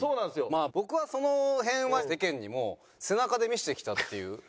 まあ僕はその辺は世間にも背中で見せてきたっていう。